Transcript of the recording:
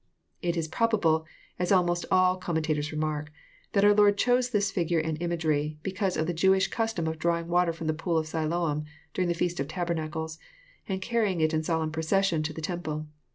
It is probable, as almost all commentators remark, that our Lord chose this figure and imagery, because of the Jewish cus tom of drawing water from the pool of Siloam during the feast of tabernacles, and carrying it in solemn procession to the tem ple.